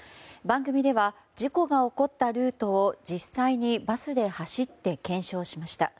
番組では事故が起こったルートを実際にバスで走って検証しました。